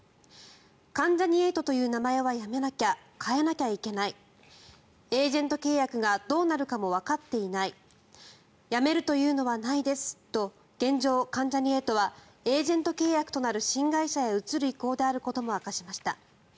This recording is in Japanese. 関ジャニ∞という名前はやめなきゃ、変えなきゃいけないエージェント契約がどうなるかもわかっていない辞めるというのはないですと現状、関ジャニ∞はエージェント契約となる新会社へ移る意向であることも明かしました。